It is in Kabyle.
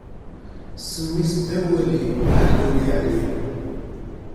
Ssem-is ddaw walim, ḥedd ur yeɛlim.